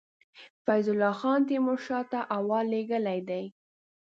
فیض الله خان تېمور شاه ته احوال لېږلی دی.